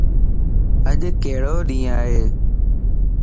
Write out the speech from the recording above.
اڄ ڪھڙو ڏينھن ائي